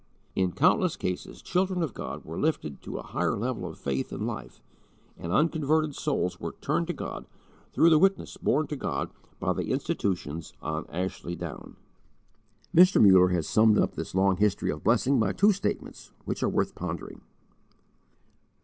In countless cases children of God were lifted to a higher level of faith and life, and unconverted souls were turned to God through the witness borne to God by the institutions on Ashley Down. Mr. Muller has summed up this long history of blessing by two statements which are worth pondering.